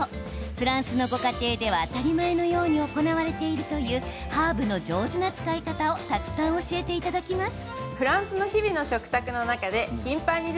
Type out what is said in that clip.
フランスのご家庭では当たり前のように行われているというハーブの上手な使い方をたくさん教えていただきます。